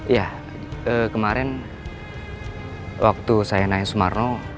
ya kemarin waktu saya naik sumarno